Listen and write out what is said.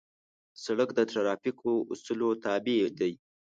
سړک د ترافیکو اصولو ته تابع دی.